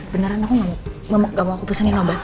beneran aku gak mau aku pesenin obat